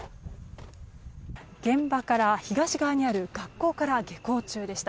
現場から東側にある学校から下校中でした。